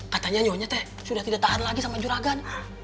katanya nyonya teh sudah tidak tahan lagi sama juragan